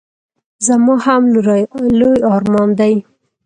زما هم لوی ارمان دی.